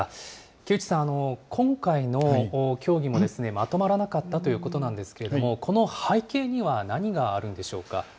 木内さん、今回の協議もまとまらなかったということですけれども、この背景には何があるんでしょうか。